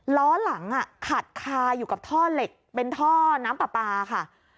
ล้อหลังขัดคาอยู่กับท่อเหล็กเป็นท่อน้ำปลาปลาค่ะ